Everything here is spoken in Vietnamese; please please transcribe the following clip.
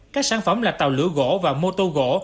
các sản phẩm là tàu lửa gỗ và mô tô gỗ